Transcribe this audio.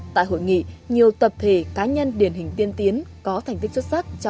tại hội nghị nhiều tập thể cá nhân điển hình tiên tiến có thành tích xuất sắc